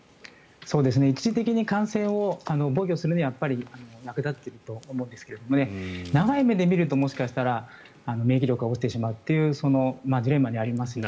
一時的に感染を防御するにはやっぱり役立っていると思うんですが長い目で見るともしかしたら免疫力が落ちてしまうというそういうジレンマがありますね。